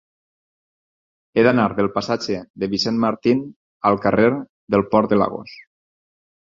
He d'anar del passatge de Vicent Martín al carrer del Port de Lagos.